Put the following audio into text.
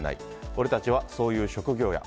俺たちはそういう職業や！